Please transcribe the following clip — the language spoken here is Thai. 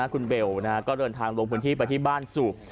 คุณเบลก็เดินทางลงพื้นที่ไปที่บ้านสูบ